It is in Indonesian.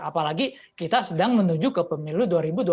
apalagi kita sedang menuju ke pemilu dua ribu dua puluh